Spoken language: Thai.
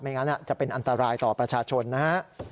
งั้นจะเป็นอันตรายต่อประชาชนนะฮะ